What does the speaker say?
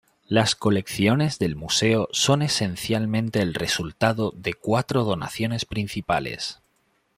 Las colecciones del museo son esencialmente el resultado de cuatro donaciones principales.